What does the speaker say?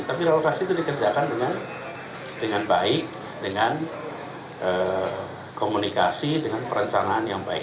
tapi relokasi itu dikerjakan dengan baik dengan komunikasi dengan perencanaan yang baik